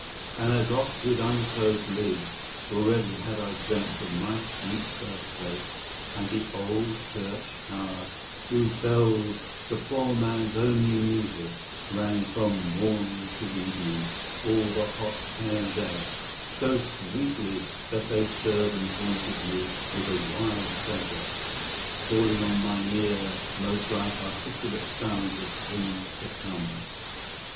and as oft With unclosed lids, already had I dreamt Of my sweet birth place, and the old church tower, Whose bells, the poor man's only music, rang From morn to evening, all the hot Fair day, So sweetly, that they stirred and haunted me With a wild pleasure, falling on mine ear Most like articulate sounds of things to come!